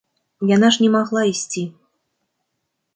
Яна ж не магла ісці.